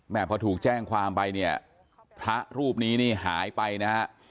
พอถูกแจ้งความไปเนี่ยพระรูปนี้นี่หายไปนะฮะ